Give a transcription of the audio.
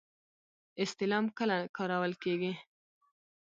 استعلام کله کارول کیږي؟